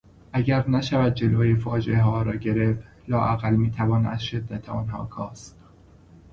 اگر نشود جلو فاجعهها را گرفت لااقل میتوان از شدت آنها کاست.